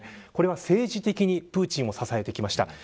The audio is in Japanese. これは政治的にプーチンを支えてきました。